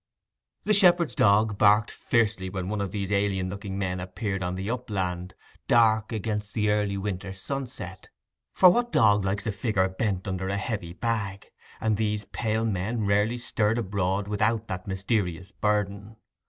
The shepherd's dog barked fiercely when one of these alien looking men appeared on the upland, dark against the early winter sunset; for what dog likes a figure bent under a heavy bag?—and these pale men rarely stirred abroad without that mysterious burden.